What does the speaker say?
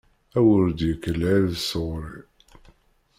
A wer d-yekk lɛib sɣur-i!